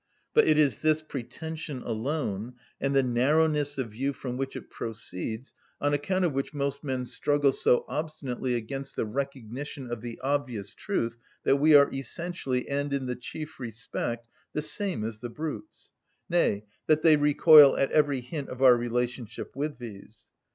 But it is this pretension alone, and the narrowness of view from which it proceeds, on account of which most men struggle so obstinately against the recognition of the obvious truth that we are essentially, and in the chief respect, the same as the brutes; nay, that they recoil at every hint of our relationship with these.